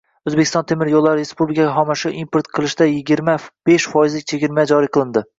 O‘zbekiston temir yo‘llari respublikaga xomashyo import qilishdayigirma beshfoizlik chegirma joriy qiladi